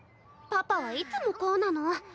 パパはいつもこうなの。